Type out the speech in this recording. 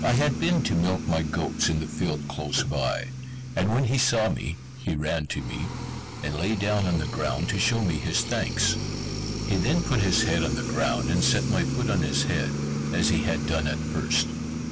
I had been to milk my goats in the field close by, and when he saw me, he ran to me, and lay down on the ground to show me his thanks. He then put his head on the ground, and set my foot on his head, as he had done at first.